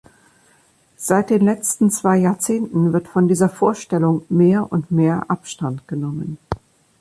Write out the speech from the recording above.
Seit den letzten zwei Jahrzehnten wird von dieser Vorstellung mehr und mehr Abstand genommen.